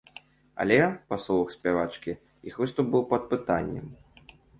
Але, па словах спявачкі, іх выступ быў пад пытаннем.